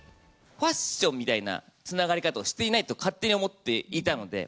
ファッションみたいなつながり方をしていないと勝手に思っていたので。